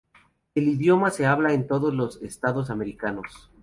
El idioma se habla en todos los estados americanos.